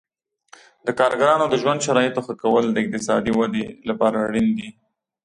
د کارګرانو د ژوند شرایطو ښه کول د اقتصادي ودې لپاره اړین دي.